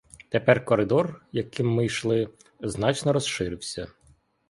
Тепер коридор, яким ми йшли, значно розширився.